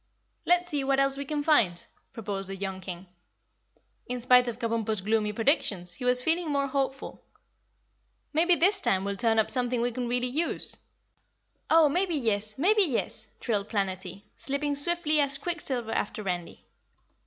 "Let's see what else we can find," proposed the young King. In spite of Kabumpo's gloomy predictions, he was feeling more hopeful. "Maybe this time we'll turn up something we can really use." "Oh, maybe yes, maybe yes!" trilled Planetty, slipping swiftly as quicksilver after Randy.